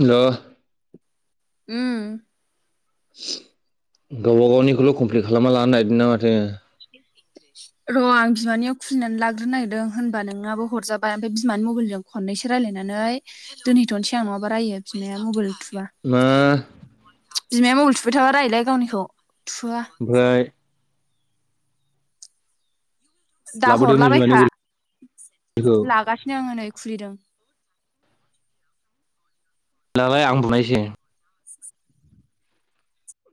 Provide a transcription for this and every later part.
Hello उम गावबा गावनिखौल' कमप्लिट खालामना लानो नागिरदोंना माथो? र' आं बिमानियाव खुलिनानै लाग्रोनो नागिरदों होनबा नोंनाबो हरजाबाय ओमफ्राय बिमानि मबाइलजों खननैसो रायलायनानै दोनहथ'नोसै आं नङाबा रायो बिमाया मबाइल थु मा बिमाया मबाइल थुबाय थाबा राययोलै गावनिखौ थुवा ओमफ्राय दा लाबोदोंनो बिमानि हरलाबायखा गलिखौ लागासिनो आङो नै खुलिदों। लालाय आं बुनायनोसै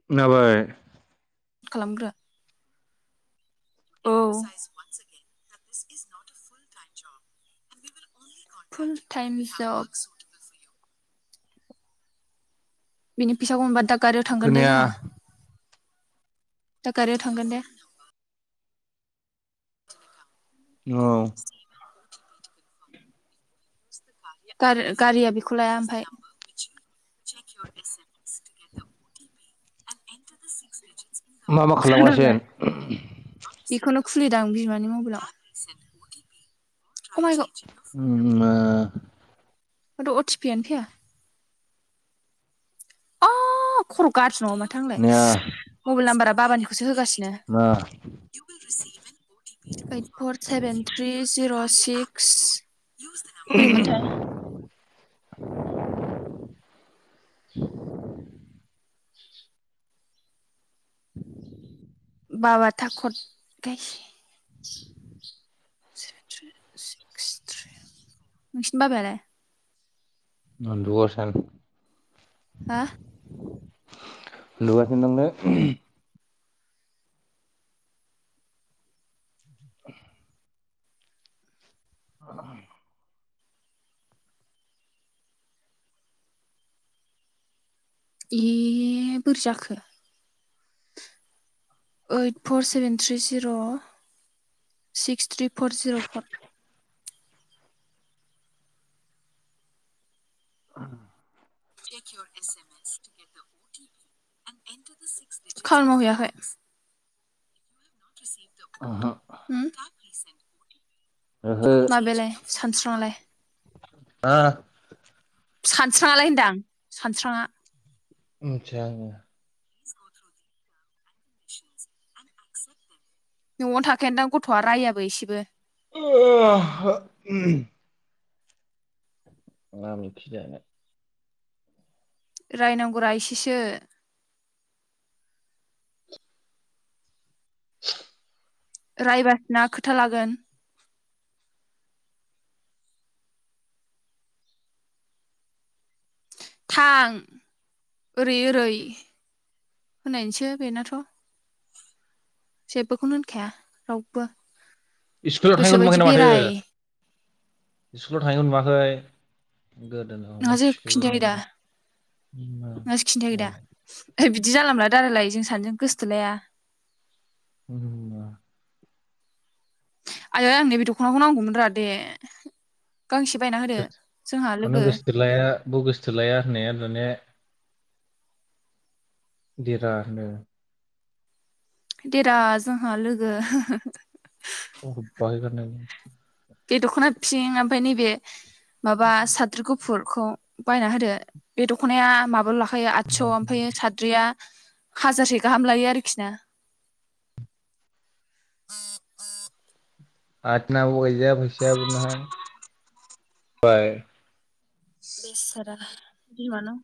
खोनाबाय। खालामग्रोया औ फुल टाइम जब बिदिनि फैसाखौ मोनबा दा गारियाव थांगोन दे खोनाया जोंहा। दा गारियाव थांगोन दे। औ गार गारिया बेखौ लाया ओमफाय। मा मा खोनाबाय खालामगासिनो? बेखौनो खुलिदां बिमानि मबाइलाव। अ माय गद [inaudible] [inaudible] माथो अ टि पि आनो फैया। आ खर' गा ज्रि नंङा माथो आंलाय खोनाया मबेल नाम्बार बाबानिखौसो होगासि नो मा ओइट फर सेभेन थ्रि जिर'। सिक्स बोरैमोनथाय? [inaudible] [inaudible] बाबा था कत गायसे नोंसिनि बाबायालाय? [unintelligible] हा उन्दुगासिनो दंलै। [inaudible] ए बोरै जाखो? ओइट फर सेभेन थ्रि जिर' सिक्स थ्रि फर जिर' फर। [inaudible] [inaudible] खामानि मावहैयाखै? ओहो उम्म ओहो माबायालाय? सानस्रांङालाय? ओ सानस्रांङालाय होनदां सानस्रांङा? मिथिया आंङो। न'आवनो थाखायदां गथ'आ रायाबो इसेबो। [inaudible] मा मैखि जानो? रायनांगौ रा इसेसो। [unintelligible] रायबा ना खोथा लागोन। थां ओरै ओरै होननायसै बेनाथ' जेबोखौनो होनखाया रावबो। स्कुलाव थांनायखौ नुवाखै गोसोबायदि नों माथो बेराय स्कुलाव थांनायखौ नुवा [unintelligible] नोंहासो खिन्थायाखै दा नोंहासो खिन्थायाखैदा मोनथिखो बिदि जालामाला दा रायलाय जों सानैजों गोसथोलाया [unintelligible] आय' आंनो बे दख'नाखौ नांगौमोन रा दे गांसे बायना होदो [unintelligible] जोंहा लोगो गोसोथो लाया ब गोसोथो लाया होननाया [unintelligible] देरा जोंहा लोगो। [unintelligible] बे दख'ना फिं ओमफ्राय नैबे [inaudible] माबा साथ्रिखौ गुफुुरखौ बायना होदो बे दख'नाया माबा लाख ओमफायो आदस' ओमफ्रायो साद्रिया हाजारसे गाहाम लायो आरोखि ना [unintelligible] बेसारा बिमानाव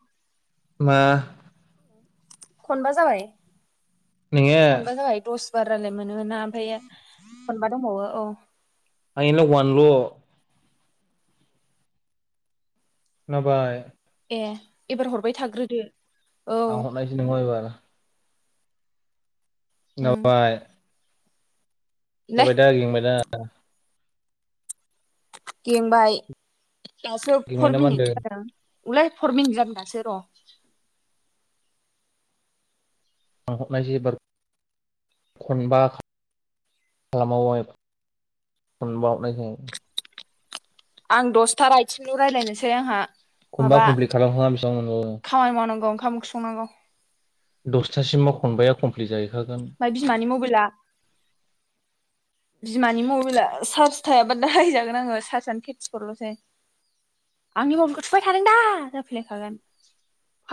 मा खनबा जाबाय नोङो खनबा जाबाय द'स बार रायलाय मोनो ना ओमफ्राय मोननबा दंबावो औ। [unintelligible] नाबाय। ए एबार हरबाय थाग्रोदो औ आं हरनायसै नङा एबार उम [unintelligible] लै जाबाय दा गिंबायदा [unintelligible] गेंबाय दासो गेंबाय फर ना मा मिनिट होनदों जादों उलाय फर मिनित जादो दासो र' आहरनायसै एबार खनबा खालामावहाय खनबा हरनायसै आं दसथा राइथिंल' रायज्लायनोसै आंहा खमबा माबा कमप्लिट खालामखांना बेसेबां मोनबावो। खामानि मावनांगौ ओंखाम ओंख्रि संनांगौ दसथासिमाव खनबाया कमप्लिट जायो ओमफ्राय बिमानि मबाइला बिमानि मबाइला सारज थायाबा दा राय जागोन आंङो सारजानो फिफति फर लसै आंनि मबाइलखौ थुबाय थादों दा जाफैलायखागोन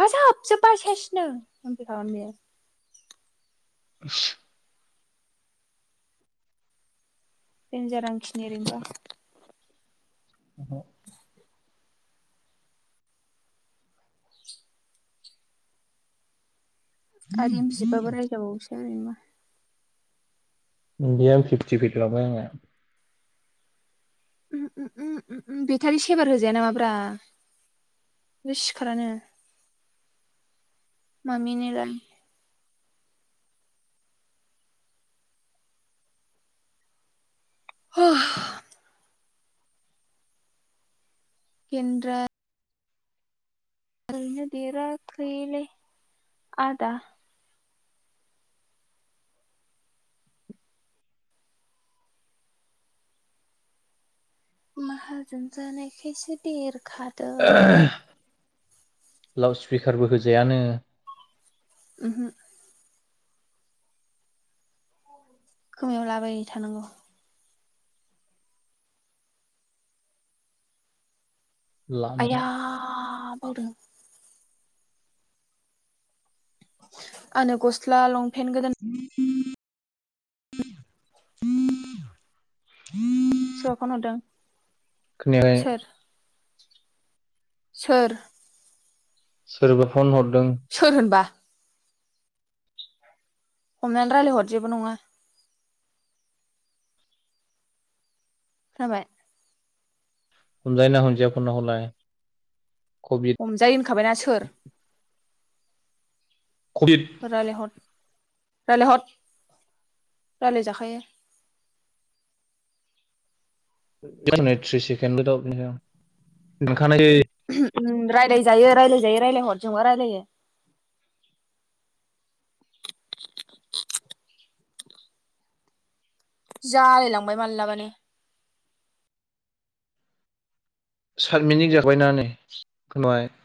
फोजोबजोबाय सेसनो होनफैखागोन बे [unintelligible] देनजार रांखिनि ओरैनोबा आरो एमबि जोबबाबो रायजाबावोसो ओरैनोबा एम बिया फिफथि फैखाबाय आंनिया बेटारि सेभार होजाया नामाब्रा सिखारानो मामिनेलाय [inaudible] गेन्दरा ओरोनो देराखैलै आदा माहाजुन जानायखायसे देर खादों। लाउड स्पिकारबो होजायानो। अमहो। खोमायाव लाबाय थानांगौ। ला नोंहा आयया बावदों। आंनो गस्ला लं [inaudible] [inaudible] सोरबा फनहरदों। खोनायाखै सोर सोरबा फन हर सोर होनबा हमनानै रायलाय हर जेबोनंङा जाबाय हमजायोना हमजाया फनालाय। हमजायो होनखाबायनाा सोर कभिड रायलायहर। रायलायहर रायलाय जाखायो। थ्रिस सेकेनदबो [unintelligible] ओहो रायलाय जायो रायलायजायो रायलायहरजोंबा रायलायो। जालाय लांबाय मालाबानो सात मिनिक जाबायना नै खोनाबाय।